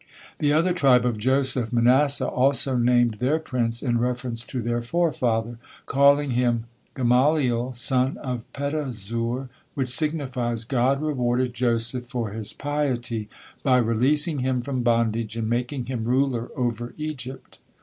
The other tribe of Joseph, Manasseh, also named their prince in reference to their forefather, calling him Gamaliel, son of Pedahzur, which signifies, "God rewarded Joseph for his piety by releasing him from bondage and making him ruler over Egypt."